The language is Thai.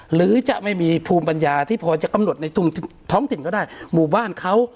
หรือจะไม่มีภูมิปัญญาที่พอจะกำหนดในท้องถิ่นก็ได้หมู่บ้านเขา